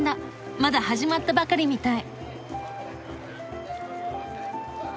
まだ始まったばかりみたい。